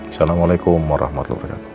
assalamualaikum warahmatullahi wabarakatuh